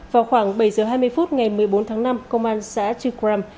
vào khoảng bảy giờ hai mươi phút ngày một mươi bốn tháng năm công an sẽ truyền thông cho các nhà dân